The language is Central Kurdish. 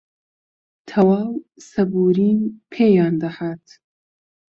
تەواو سەبووریم پێیان دەهات